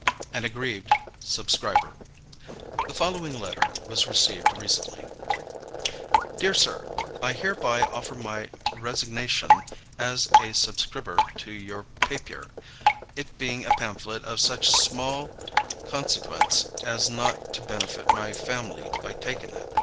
_ AN AGGRIEVED SUBSCRIBER. The following letter was received recently: "DEAR SIR: I hereby offer my resignashun as a subscribber to your papier, it being a pamphlet of such small konsequenc as not to benefit my family by takin it.